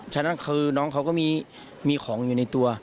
ฉะนั้นคือน้องเขาก็มีของอยู่ในตัว